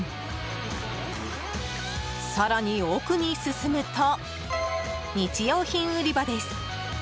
更に奥に進むと日用品売り場です。